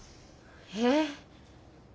えっ？